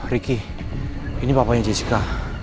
ricky ini papanya jessica